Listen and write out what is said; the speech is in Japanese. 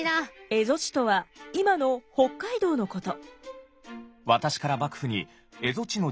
蝦夷地とは今の北海道のこと。